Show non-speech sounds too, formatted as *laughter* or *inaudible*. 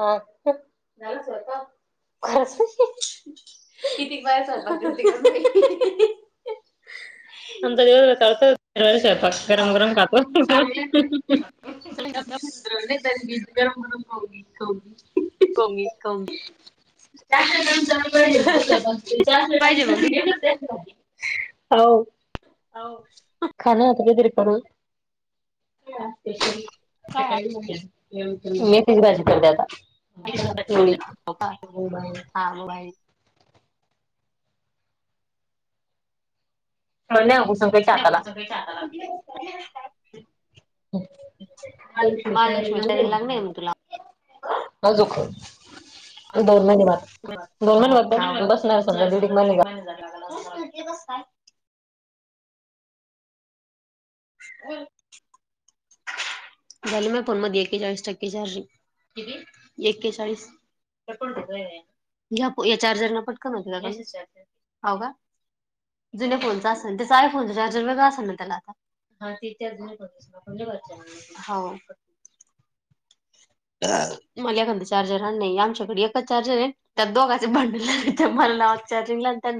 हा. ह. झाला स्वयपाक? *unintelligible* *inaudible* समजलेवर, टाळतेत. कर स्वयपाक. गरम - गरम खातो. *inaudible* गरम- गरम *unintelligible* कोंगी - कोंगी. *inaudible* मग आव. आवं. खाणं आता काय तरी करून. *unintelligible* मेथीची भाजी करते आता. *unintelligible* आगं, बाई. *unintelligible* च्या आताला. *unintelligible* कालच मी महालक्ष्मी तयारीला साडी लागले. लागणार मग तुला आजूक दोन महिने बात. दोन महिने ब बसणार. समजा, दीड एक महिना जात ऊष्ट केलस काय? *unintelligible* झाली म फोनमध्ये, एकेचाळीस टक्के चार्जिंग. किती? एकेचाळीस. *unintelligible* या - या चार्जरनं पटकन *unintelligible* हो, का? जुन्या फोनचा असन. त्याचा आय फोनच चार्जर वेगळं असल ना, त्याला आता. हा, तिथे अजून पण *unintelligible* हो. *inaudible* *inaudible* मला एखांद चार्जर आण नं. आमच्याकडे एकच चार्जरय. त्यात दोघांचे भांडण लागत्या. मला लावायचं चार्जिंगला न त्यान